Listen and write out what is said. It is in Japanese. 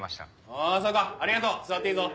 おそうかありがとう座っていいぞ。